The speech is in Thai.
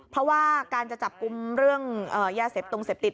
เพราะว่าการจะจับกลุ่มเรื่องยาเสพตรงเสพติด